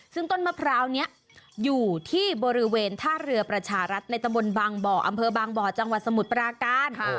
ซึ่งต้นมะพร้าวนี้อยู่ที่บริเวณท่าเรือประชารัฐในตะบนบางบ่ออำเภอบางบ่อจังหวัดสมุทรปราการ